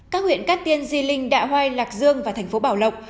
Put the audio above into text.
các huyện cát tiên di linh đạ hoai lạc dương và thành phố bảo lộc